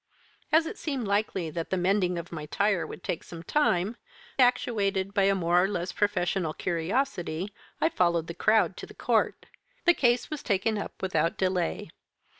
"As it seemed likely that the mending of my tyre would take some time, actuated by a more or less professional curiosity, I followed the crowd to the court. "The case was taken up without delay.